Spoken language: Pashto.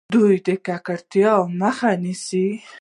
دوی د ککړتیا مخه نیسي.